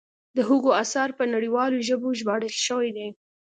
د هوګو اثار په نړیوالو ژبو ژباړل شوي دي.